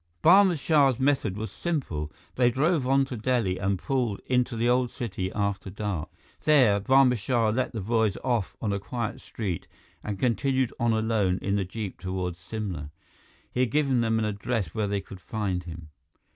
Barma Shah's method was simple. They drove on to Delhi and pulled into the old city after dark. There, Barma Shah let the boys off on a quiet street and continued on alone in the jeep toward Simla. He had given them an address where they could find him.